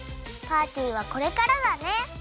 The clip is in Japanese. パーティーはこれからだね！